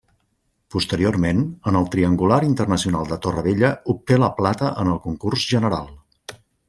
Posteriorment, en el Triangular Internacional de Torrevella obté la plata en el concurs general.